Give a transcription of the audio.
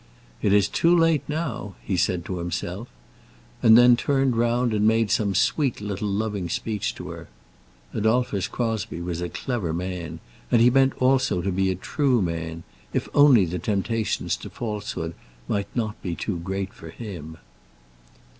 "It is too late now," he said to himself; and then turned round and made some sweet little loving speech to her. Adolphus Crosbie was a clever man; and he meant also to be a true man, if only the temptations to falsehood might not be too great for him.